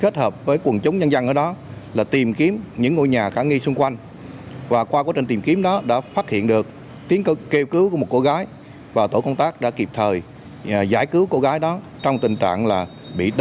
tổ công tác kịp thời giải cứu và bắt giữ đối tượng nguyễn thái cường ba mươi bảy tuổi